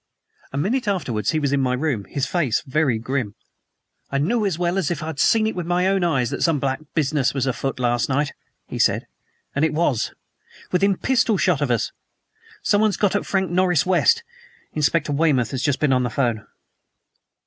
A minute afterwards he was in my room, his face very grim. "I knew as well as if I'd seen it with my own eyes that some black business was afoot last night," he said. "And it was. Within pistol shot of us! Someone has got at Frank Norris West. Inspector Weymouth has just been on the 'phone."